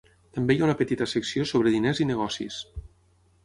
També hi ha una petita secció sobre diners i negocis.